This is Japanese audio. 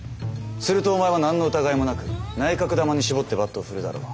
するとお前は何の疑いもなく内角球に絞ってバットを振るだろう？